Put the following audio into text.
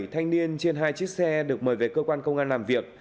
bảy thanh niên trên hai chiếc xe được mời về cơ quan công an làm việc